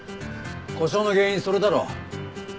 故障の原因それだろ？